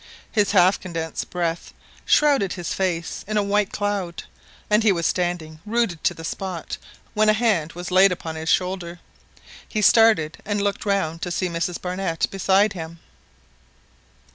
His half condensed breath shrouded his face in a white cloud, and he was standing rooted to the spot when a hand was laid upon his shoulder. He started, and looked round to see Mrs Barnett beside him.